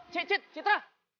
cik cik citra